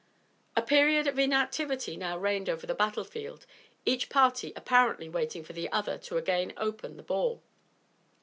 A period of inactivity now reigned over the battle field, each party apparently waiting for the other to again open the ball.